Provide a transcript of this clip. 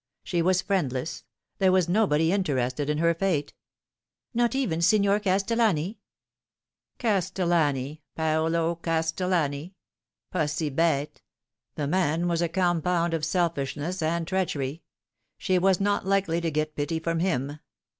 She was friendless There was nobody interested in her fate M Not even Signer Castellani ?"" Castellani Paolo Castellani ? Pas si bete. The man was a compound of selfishness and treachery. She was not likely to get pity from him.